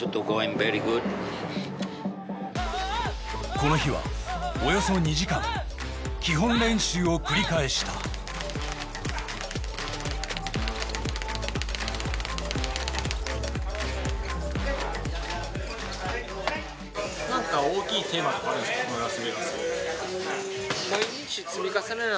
この日はおよそ２時間基本練習を繰り返した何か大きいテーマってあるんですか？